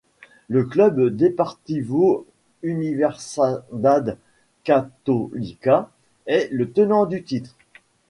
Le Club Deportivo Universidad Católica est le tenant du titre.